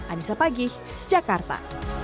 anissa pagih jakarta